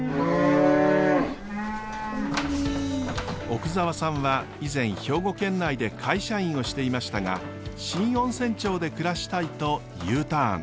奥澤さんは以前兵庫県内で会社員をしていましたが新温泉町で暮らしたいとＵターン。